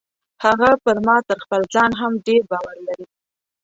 هغه پر ما تر خپل ځان هم ډیر باور لري.